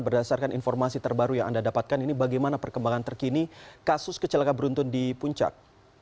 berdasarkan informasi terbaru yang anda dapatkan ini bagaimana perkembangan terkini kasus kecelakaan beruntun di puncak